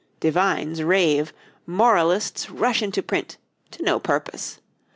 Divines rave, moralists rush into print, to no purpose.